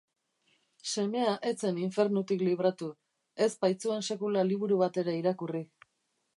Semea ez zen infernutik libratu, ez baitzuen sekula liburu bat ere irakurri.